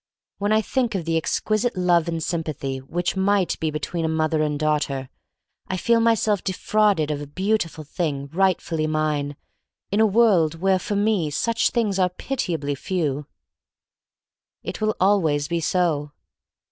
When I think of the exquisite love and sympathy which might be between a mother and daughter, I feel myself defrauded of a beautiful thing right fully mine, in a world where for me such things are pitiably few. It will always be so.